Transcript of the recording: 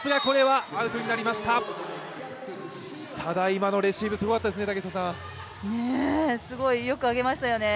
今のレシーブ、すごかったですね。